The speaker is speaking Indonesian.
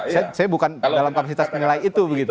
saya bukan dalam faksitas nilai itu begitu